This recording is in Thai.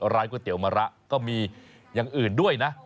ก๋วยเตี๋ยมะระก็มีอย่างอื่นด้วยนะ